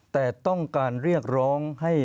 แต่ต้องการเรียกร้องให้